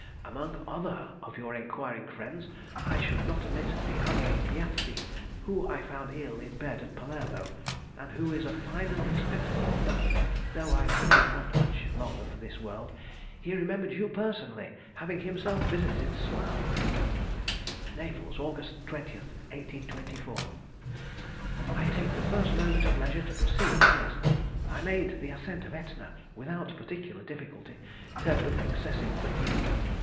Among other of your enquiring friends I should not omit the Abbé Piazzi, whom I found ill in bed at Palermo, and who is a fine respectable old man, though I am afraid not much longer for this world. He remembered you personally, having himself visited Slough. Naples, Aug. 20th, 1824.—I take the first moment of leisure to proceed with this. I made the ascent of Etna without particular difficulty, though with excessive fatigue.